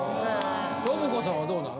信子さんはどうなの？